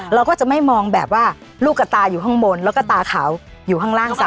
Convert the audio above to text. เราก็จะไม่มองแบบว่าลูกกระตาอยู่ข้างบนแล้วก็ตาขาวอยู่ข้างล่างซะ